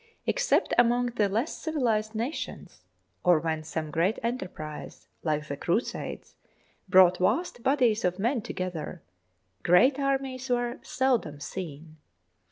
Except among the less civilised nations, or when some great enterprise like the Crusades brought vast bodies of men to gether, great armies were seldom seen.